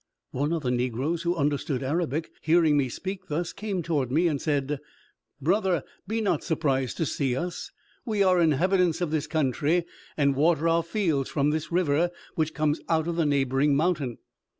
One of the negroes, who understood Arabic, hearing me speak thus, came toward me, and said: "Brother, be not surprised to see us; we are inhabitants of this country, and water our fields from this river, which comes out of the neighboring mountain.